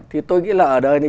thì tôi nghĩ là ở đời này